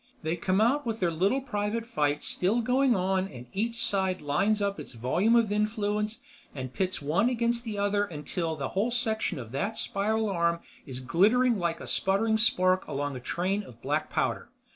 They come out with their little private fight still going on and each side lines up its volume of influence and pits one against the other until the whole section of that spiral arm is glittering like a sputtering spark along a train of black powder.